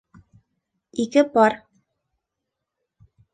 Ике пар